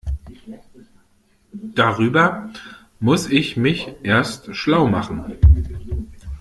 Darüber muss ich mich erst schlau machen.